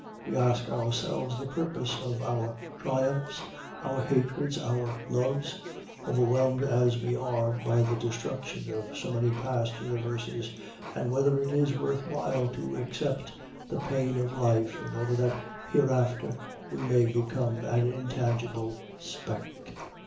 We ask ourselves the purpose of our triumphs, our hatreds, our loves, overwhelmed as we are by the destruction of so many past universes, and whether it is worth while to accept the pain of life in order that hereafter we may become an intangible speck.